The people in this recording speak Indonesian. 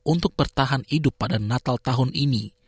untuk bertahan hidup pada natal tahun ini